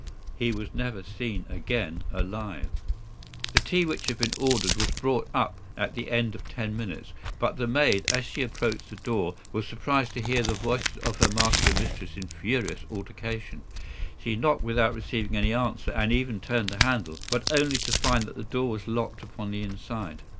He was never seen again alive. "The tea which had been ordered was brought up at the end of ten minutes; but the maid, as she approached the door, was surprised to hear the voices of her master and mistress in furious altercation. She knocked without receiving any answer, and even turned the handle, but only to find that the door was locked upon the inside.